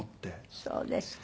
そうですか。